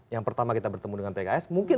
yang pertama kita bertemu dengan pks mungkin